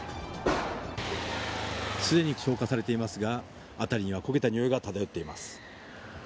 既に消火されていますが辺りには焦げた臭いが漂っています。